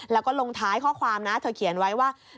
แล้วก็ลงท้ายข้อความนะเธอเขียนไว้ว่า